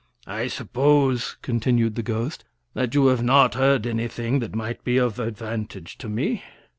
"I suppose," continued the ghost, "that you have not heard anything that might be of advantage to me.